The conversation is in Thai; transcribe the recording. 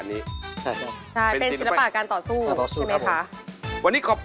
สวัสดีครับ